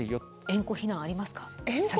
縁故避難ありますか？